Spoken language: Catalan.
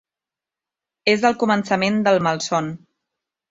És el començament del malson.